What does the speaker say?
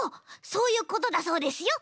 そういうことだそうですよ